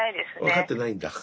分かってないんだ。